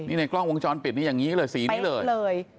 ในกล้องวงจรปิดนี้อย่างนี้เลยสีนี้เลย